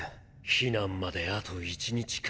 避難まであと１日か。